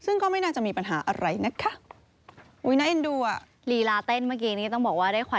ซึ่งก็ไม่น่าจะมีปัญหาอะไรนะคะ